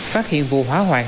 phát hiện vụ hóa hoạn